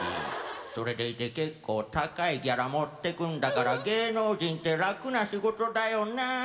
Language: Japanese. それでいて結構高いギャラ持ってくんだから芸能人って楽な仕事だよな！」。